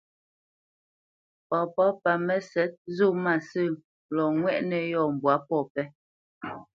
Papá pa Mə́sɛ̌t zó mâsə̂ lɔ ŋwɛ́ʼnə̄ yɔ̂ mbwǎ pɔ̂ pɛ́.